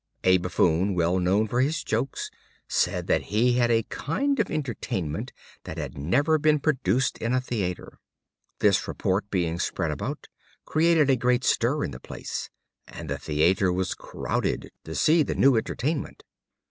A Buffoon, well known for his jokes, said that he had a kind of entertainment that had never been produced in a theater. This report, being spread about, created a great stir in the place, and the theater was crowded to see the new entertainment.